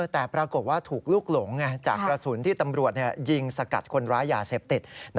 แต่ปรากฏว่าถูกลูกหลงจากกระสุนที่ตำรวจยิงสกัดคนร้ายยาเสพติด